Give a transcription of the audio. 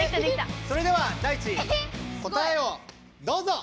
それではダイチ答えをどうぞ！